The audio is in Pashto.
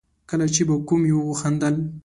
کله چې به کوم يوه وخندل.